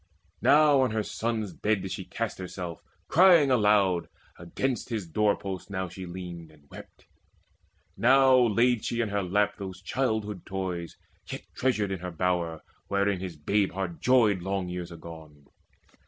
Now on her son's bed did she cast herself, Crying aloud, against his door post now She leaned, and wept: now laid she in her lap Those childhood's toys yet treasured in her bower, Wherein his babe heart joyed long years agone.